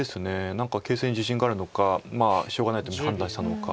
何か形勢に自信があるのかしょうがないと判断したのか。